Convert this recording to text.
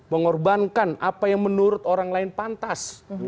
mengorbankan apa yang menurut orang lain pantas